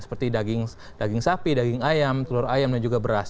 seperti daging sapi daging ayam telur ayam dan juga beras